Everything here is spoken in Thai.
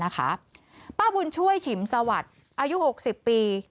ป้าบุญช่วยฉิมสวัสดิ์อายุ๖๐ปี